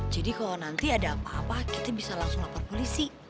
jadi kalau nanti ada apa apa kita bisa langsung lapor polisi